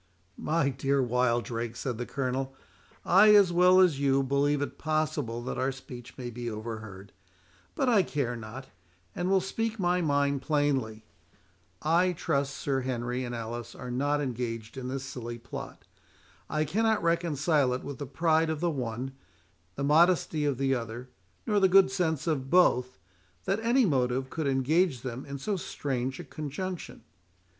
"My dear Wildrake," said the Colonel, "I, as well as you, believe it possible that our speech may be overheard; but I care not, and will speak my mind plainly. I trust Sir Henry and Alice are not engaged in this silly plot; I cannot reconcile it with the pride of the one, the modesty of the other, nor the good sense of both, that any motive could engage them in so strange a conjunction.